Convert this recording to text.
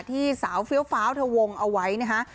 ที่สาวเฟี้ยวฟ้าวเธอวงเอาไว้นะฮะ